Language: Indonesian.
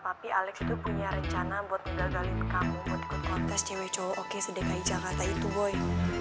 papi alex itu punya rencana buat menggalangin kamu buat kontes cewek cowok sedekah di jakarta itu boy